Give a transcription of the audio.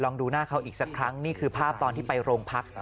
ดูหน้าเขาอีกสักครั้งนี่คือภาพตอนที่ไปโรงพัก